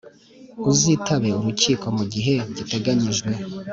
uzitabe Urukiko mu gihe giteganyijwe